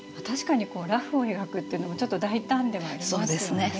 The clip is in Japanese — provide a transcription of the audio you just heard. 確かに裸婦を描くっていうのはちょっと大胆ではありますよね。